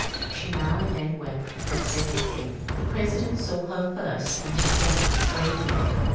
She now and then wept, but said nothing. The President saw her first, and she came out radiant.